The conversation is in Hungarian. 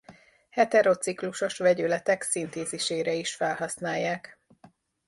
Heterociklusos vegyületek szintézisére is felhasználják.